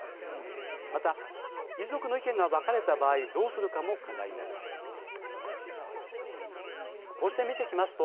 また、遺族の意見が分かれた場合どうするかも課題になります。